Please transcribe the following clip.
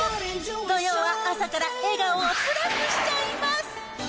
土曜は朝から笑顔をプラスしちゃいます。